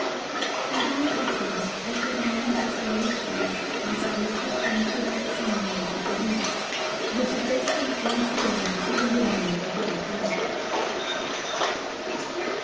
And I offer, as did my ancestor rishis, my salutation to that sunrise of the East, which is destined once again to illumine the whole world.